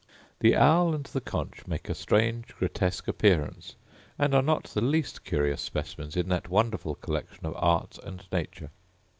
The owl and the conch make a strange grotesque appearance, and are not the least curious specimens in that wonderful collection of art and nature.